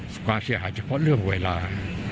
สุขาเชื่อหายเฉพาะเรื่องเวลา